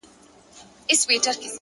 وخت د بېتوجهۍ تاوان نه بښي!